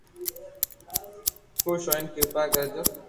خوݾ ھوئين ڪرپا ڪرجو